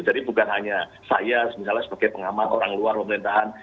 jadi bukan hanya saya misalnya sebagai pengamat orang luar pemerintahan